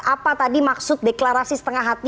apa tadi maksud deklarasi setengah hati